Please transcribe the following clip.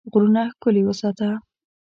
غرونه ښکلي وساته.